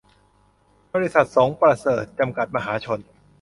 บริษัท สงประเสริฐ จำกัด มหาชน